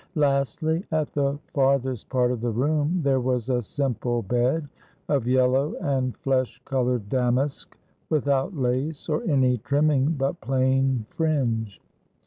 Lastly, at the farthest part of the room there was a simple bed, of yellow and flesh colored damask, without lace or any trimming but plain fringe.